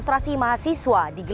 terima kasih juga